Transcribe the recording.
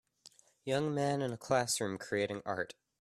Young man in an classroom creating Art.